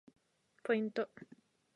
ポイント